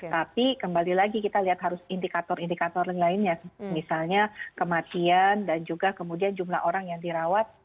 tapi kembali lagi kita lihat harus indikator indikator lainnya misalnya kematian dan juga kemudian jumlah orang yang dirawat